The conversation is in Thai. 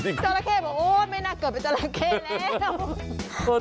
จราเข้บอกโอ๊ยไม่น่าเกิดเป็นจราเข้แล้ว